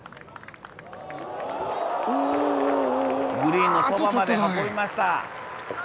グリーンのそばまで運びました。